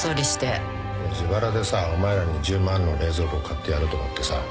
自腹でさお前らに１０万の冷蔵庫買ってやろうと思ってさ。